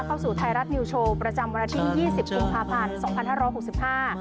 เข้าสู่ไทยรัฐนิวโชว์ประจำวันอาทิตยี่สิบกุมภาพันธ์สองพันห้าร้อยหกสิบห้า